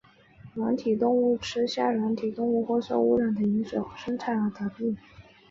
软体动物吃下软体动物或受污染的饮水或生菜而得病。